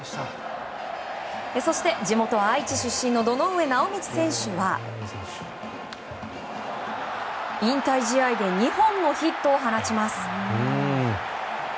そして地元・愛知出身の堂上直倫選手は引退試合で２本のヒットを放ちます。